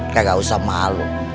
gak usah malu